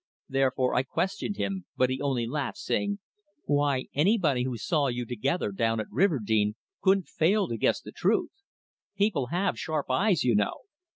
Therefore I questioned him, but he only laughed, saying "Why, anybody who saw you together down at Riverdene couldn't fail to guess the truth. People have sharp eyes, you know."